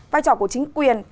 vai trò của chính quyền